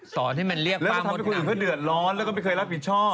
สอนให้มันเรียบร้อยมาทำให้คนอื่นเขาเดือดร้อนแล้วก็ไม่เคยรับผิดชอบ